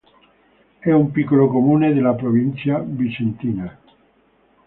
È un piccolo comune della provincia vicentina.